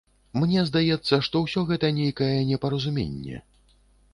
Мне здаецца, што ўсё гэта нейкае непаразуменне.